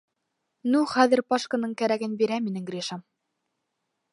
— Ну хәҙер Пашканың кәрәген бирә минең Гришам.